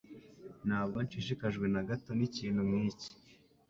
Ntabwo nshishikajwe na gato n'ikintu nk'iki.